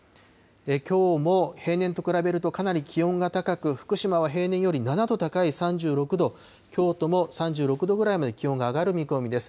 きょうも平年と比べるとかなり気温が高く、福島は平年より７度高い３６度、京都も３６度ぐらいまで気温が上がる見込みです。